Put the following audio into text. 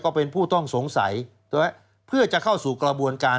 เป็นผู้ต้องสงสัยเพื่อจะเข้าสู่กระบวนการ